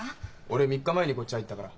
俺３日前にこっち入ったから。